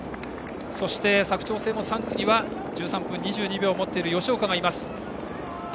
そして、佐久長聖も３区には１３分２２秒を持っている吉岡がいます。